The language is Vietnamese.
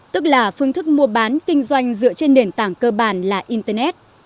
tức là phương thức mua bán kinh doanh dựa trên nền tảng cơ bản là internet